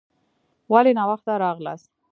ولي ناوخته راغلاست؟